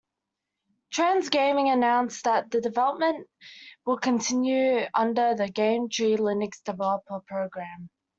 TransGaming announced that development will continue under the GameTree Linux Developer Program.